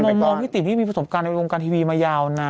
มองพี่ติ๋มที่มีประสบการณ์ในวงการทีวีมายาวนาน